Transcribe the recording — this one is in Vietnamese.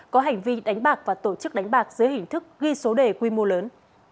có hành vi đánh bạc và tổ chức đánh bạc dưới hình thức ghi số đề quy mô lớn